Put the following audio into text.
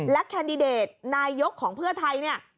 และแคนดิเดตนายกของเพื่อไทยเนี่ย